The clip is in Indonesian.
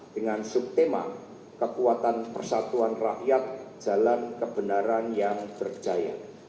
dengan subtema kekuatan persatuan rakyat jalan kebenaran yang berjaya